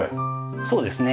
そうですね。